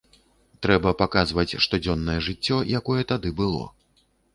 Трэба паказваць штодзённае жыццё, якое тады было.